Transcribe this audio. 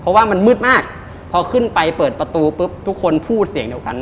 เพราะว่ามันมืดมากพอขึ้นไปเปิดประตูปุ๊บทุกคนพูดเสียงเดียวกัน